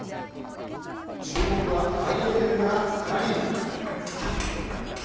注目はハイレベルなラリー。